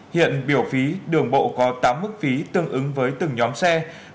hiện biểu phí đường bộ có tám mức phí tương ứng với từng nhóm xe